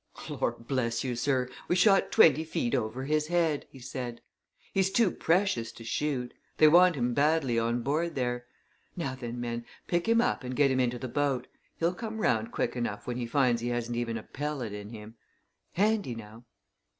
"Lor' bless you, sir, we shot twenty feet over his head!" he said. "He's too precious to shoot: they want him badly on board there. Now then, men, pick him up and get him into the boat he'll come round quick enough when he finds he hasn't even a pellet in him. Handy, now!